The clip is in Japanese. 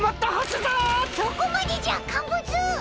そこまでじゃカンブツ！